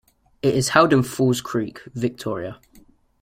It is held in Falls Creek, Victoria.